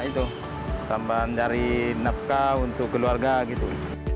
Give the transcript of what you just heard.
itu tambahan dari nafkah untuk keluarga gitu